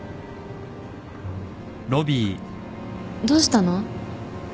どうしたの？